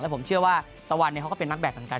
ผมเชื่อว่าตะวันเขาก็เป็นนักแบกเหมือนกัน